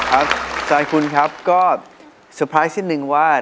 ครับตายคุณครับก็สุดท้ายสิ้นนึงว่า